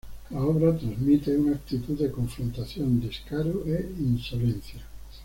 La obra transmite una actitud de confrontación, descaro e insolencia.